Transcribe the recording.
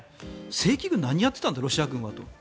正規軍は何をやっていたんだとロシア軍は。